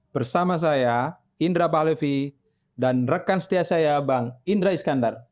bersama saya indra pahlevi dan rekan setia saya bang indra iskandar